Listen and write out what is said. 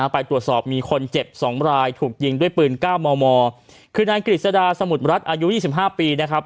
ไปตรวจสอบมีคนเจ็บ๒รายถูกยิงด้วยปืน๙มมคือนายกฤษดาสมุทรรัฐอายุ๒๕ปีนะครับ